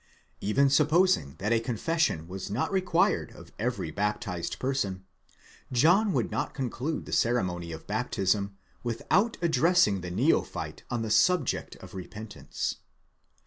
Even supposing that a confession was not required of every baptized person, John would not conclude the ceremony of baptism without addressing the neophyte on the subject of repentance.